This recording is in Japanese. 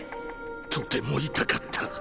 とても痛かった。